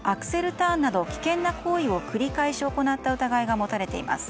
ターンなど危険な行為を繰り返し行った疑いが持たれています。